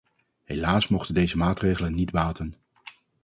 Helaas mochten deze maatregelen niet baten.